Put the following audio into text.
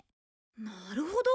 なるほど。